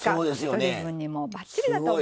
１人分にもばっちりだと思います。